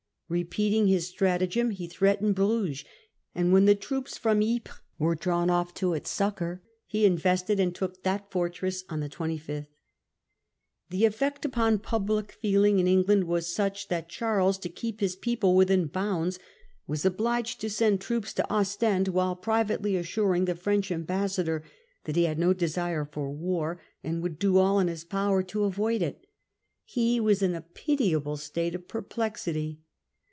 Repeating his stratagem, he threatened Bruges ; and, when the troops from Ypres were drawn off to its succour, he invested and took that fortress on the 25th. The effect upon public feeling in England was such, that Charles, to keep his people within bounds, was obliged Effects of t0 sen d troops to Ostend, while privately assur this exploit. ; n g the French ambassador that he had no desire for war, and would do all in his power to avoid it. He was in a pitiable state of perplexity.